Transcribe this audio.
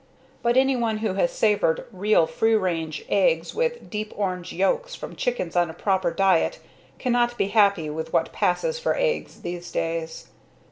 But anyone who has savored real free range eggs with deep orange yokes from chickens on a proper diet cannot be happy with what passes for "eggs" these days.